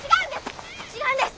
違うんです！